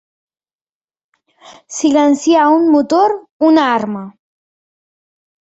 Silenciar un motor, una arma.